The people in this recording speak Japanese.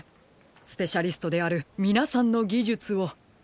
スペシャリストであるみなさんのぎじゅつを。